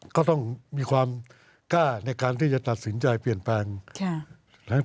ก็ต้องมีความกล้าในการที่จะตัดสินใจเปลี่ยนแปลง